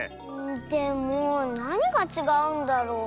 でもなにがちがうんだろう？